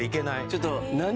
ちょっと何？